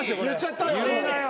言うなよ。